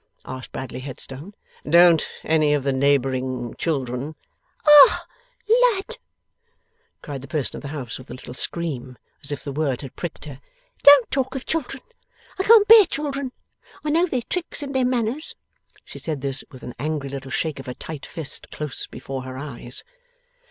asked Bradley Headstone. 'Don't any of the neighbouring children ?' 'Ah, lud!' cried the person of the house, with a little scream, as if the word had pricked her. 'Don't talk of children. I can't bear children. I know their tricks and their manners.' She said this with an angry little shake of her tight fist close before her eyes.